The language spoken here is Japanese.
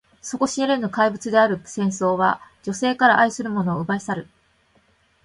底知れぬ怪物である戦争は、女性から愛する者を奪い去る。